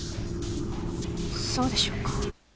そうでしょうか？